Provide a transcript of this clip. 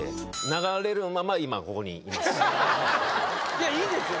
いやいいですよ